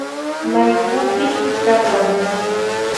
Maykupita kapan